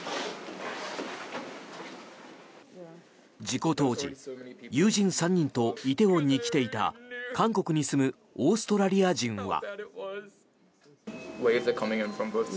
事故当時友人３人と梨泰院に来ていた韓国に住むオーストラリア人は。